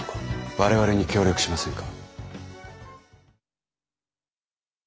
我々に協力しませんか？